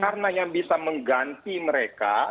karena yang bisa mengganti mereka